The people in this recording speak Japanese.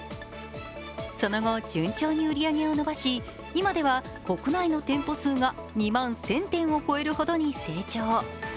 その後、順調に売り上げを伸ばし、今では国内の店舗数が２万１０００店を超えるほどに成長。